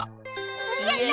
やった！